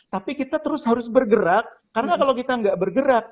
tapi kita terus harus bergerak karena kalau kita nggak bergerak